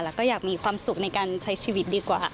แล้วก็อยากมีความสุขในการใช้ชีวิตดีกว่า